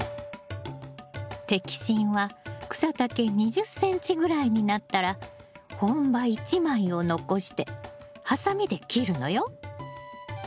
摘心は草丈２０ｃｍぐらいになったら本葉１枚を残してハサミで切るのよ。